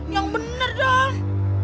yang bener dong